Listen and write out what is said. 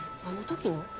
あの時の？